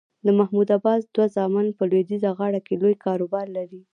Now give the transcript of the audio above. د محمود عباس دوه زامن په لویدیځه غاړه کې لوی کاروبار لري.